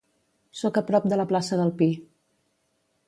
Sóc a prop de la plaça del Pi.